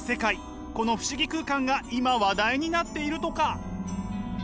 この不思議空間が今話題になっているとか。